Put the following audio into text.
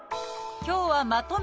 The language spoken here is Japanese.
今日はまとめ